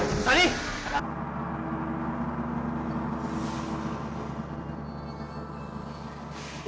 sudah dulu aja